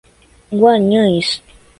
Guanhães